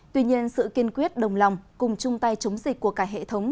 tuy nhiên sự kiên quyết đồng lòng cùng chung tay chống dịch của cả hệ thống